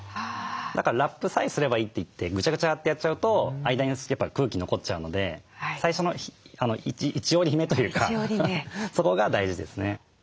だからラップさえすればいいといってぐちゃぐちゃってやっちゃうと間に空気残っちゃうので最初の一折り目というかそこが大事ですね。